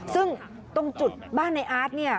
ซึ่งตรงจุดบ้านในอาร์ตเนี่ย